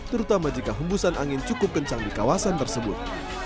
terutama jika hembusan angin cukup kencang di kawasan tersebut